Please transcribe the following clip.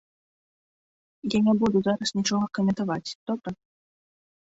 Я не буду зараз нічога каментаваць, добра?